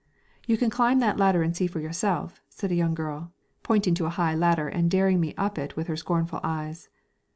"You can climb on that ladder and see for yourself," said a young girl, pointing to a high ladder and daring me up it with her scornful eyes.